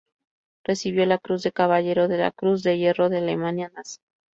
Recibió la Cruz de Caballero de la Cruz de Hierro de la Alemania nazi.